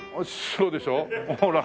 そうでしょ？ほら！